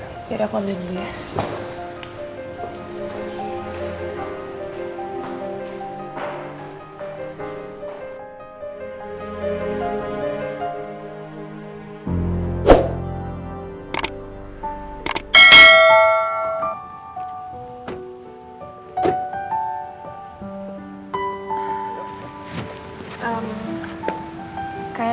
ya udah aku ambil dulu ya